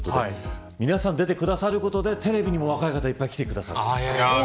皆さんが出てくださることでテレビにも若い方がきてくださる。